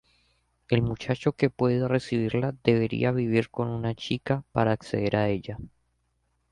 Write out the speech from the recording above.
El muchacho que puede recibirla deberá vivir con una chica para acceder a ella.